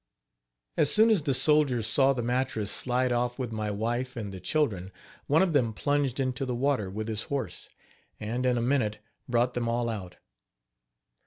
As soon as the soldiers saw the mattress slide off with my wife and the children, one of them plunged into the water with his horse, and, in a minute, brought them all out.